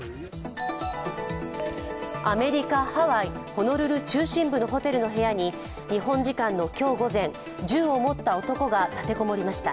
アメリカ・ハワイホノルル中心部のホテルの部屋に、日本時間の今日午前、銃を持った男が立て籠もりました。